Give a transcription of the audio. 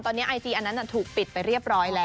ตอนนี้ไอจีอันนั้นถูกปิดไปเรียบร้อยแล้ว